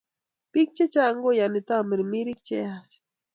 Bik che chang koyani tamirmirik cheyach